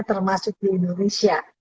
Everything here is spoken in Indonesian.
termasuk di indonesia